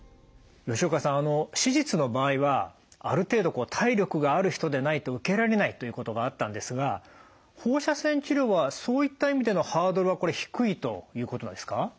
吉岡さん手術の場合はある程度体力がある人でないと受けられないということがあったんですが放射線治療はそういった意味でのハードルはこれ低いということなんですか？